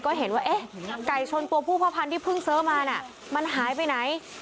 ก็เห็นว่าเอ๊ะไก่ชนตัวผู้พ่อพันธุ์ที่เพิ่งซื้อมาน่ะมันหายไปไหน